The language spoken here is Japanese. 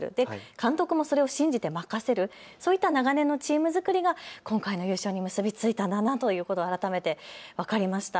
監督もそれを信じて任せる、そういった長年のチーム作りが今回の優勝に結び付いたんだなということを改めて分かりました。